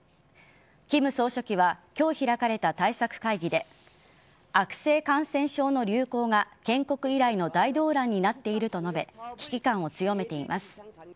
金総書記は今日開かれた対策会議で悪性感染症の流行が建国以来の大動乱になっていると述べ危機感を強めています。